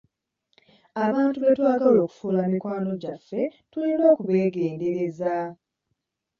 Abantu betwagala okufuula mikwano gyaffe tulina okubeegendereza.